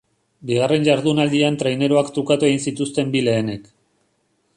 Bigarren jardunaldian traineruak trukatu egin zituzten bi lehenek.